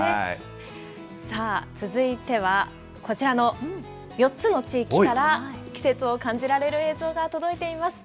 さあ続いては、こちらの４つの地域から、季節を感じられる映像が届いています。